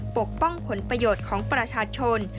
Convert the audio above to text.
ปกป้องผลประโยชน์ของประชาชน